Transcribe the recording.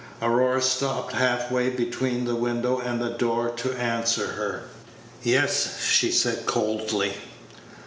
Aurora stopped half way between the window and the door to answer her. "Yes," she said coldly.